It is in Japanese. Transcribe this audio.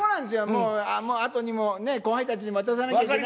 もうあとにも後輩たちにも渡さなきゃいけないし。